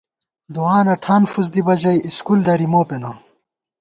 دُعانہ ٹھان فُسدِبہ ژَئی، اِسکول دری مو پېنہ